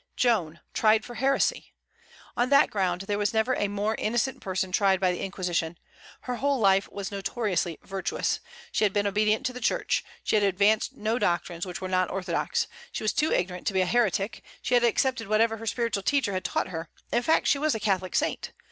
Joan tried for heresy! On that ground there was never a more innocent person tried by the Inquisition. Her whole life was notoriously virtuous. She had been obedient to the Church; she had advanced no doctrines which were not orthodox. She was too ignorant to be a heretic; she had accepted whatever her spiritual teacher had taught her; in fact, she was a Catholic saint.